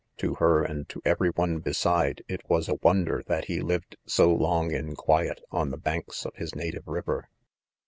Toiler, and to 1 every one beside, it was a wonder that he had lived • so long lit quiet, on the banks of his native river.